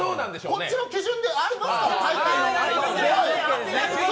こっちの基準でありますから。